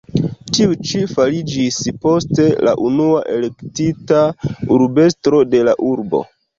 Tiu ĉi fariĝis poste la unua elektita urbestro de la urbo.